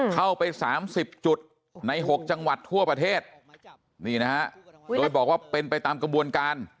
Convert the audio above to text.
เข้าไป๓๐จุดใน๖จังหวัดทั่วประเทศนี่นะฮะโดยบอกว่าเป็นไปตามกระบวนการ